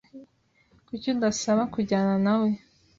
Kuki utasaba kujyana nawe?